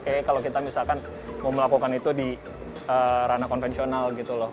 kayaknya kalau kita misalkan mau melakukan itu di ranah konvensional gitu loh